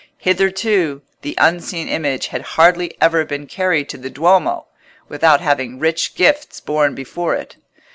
Hitherto the unseen Image had hardly ever been carried to the Duomo without having rich gifts borne before it.